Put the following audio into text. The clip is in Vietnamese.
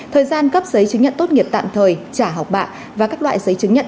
thời gian cấp giấy chứng nhận tốt nghiệp tạm thời trả học bạ và các loại giấy chứng nhận